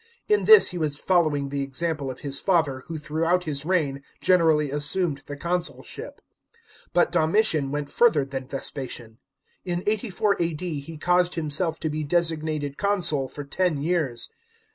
In this he was following the example of his father, who throughout his reign generally assumed the consulship. But Domitian went further than Vespasian. In 84 A.D. he caused himself to be designated consul for ten years.